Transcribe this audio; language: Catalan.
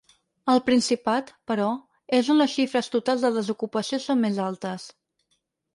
Al Principat, però, és on les xifres totals de desocupació són més altes.